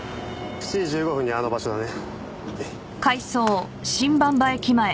７時１５分にあの場所だね。